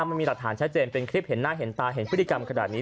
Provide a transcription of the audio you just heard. มันมีหลักฐานชัดเจนเป็นคลิปเห็นหน้าเห็นตาเห็นพฤติกรรมขนาดนี้